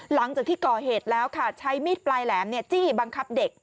หลังจากที่ก่อเหตุแล้วค่ะใช้มีดปลายแหลมจี้บังคับเด็ก